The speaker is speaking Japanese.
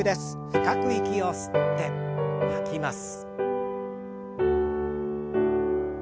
深く息を吸って吐きます。